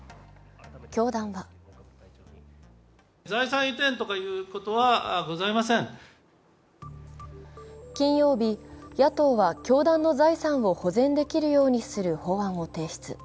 教団は金曜日、野党は教団の財産を保全できるようにする法案を提出。